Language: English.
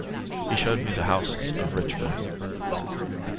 He showed me the houses of rich men.